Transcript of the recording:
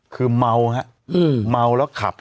คือเมาฮะเมาแล้วขับ